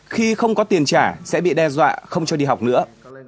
khi không có tiền trả sẽ bị đe dọa không cho đi học nữa